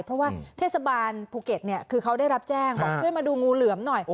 เพราะว่าเทศบาลภูเก็ตคือเขาได้รับแจ้งบอกช่วยมาดูงูเหลือมหน่อย